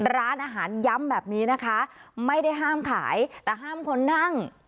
ร้านอาหารย้ำแบบนี้นะคะไม่ได้ห้ามขายแต่ห้ามคนนั่ง